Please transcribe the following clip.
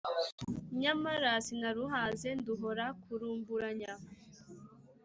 Nyamara sinaruhaze nduhora ko rumburanya;